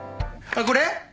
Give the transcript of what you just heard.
あっこれ？